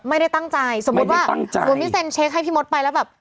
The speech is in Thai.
ไม่ได้ตั้งใจสมมุติว่าคุณพิเศษเช็คให้พี่มดไปแล้วแบบ